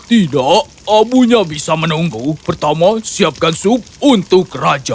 tidak abunya bisa menunggu pertama siapkan sup untuk raja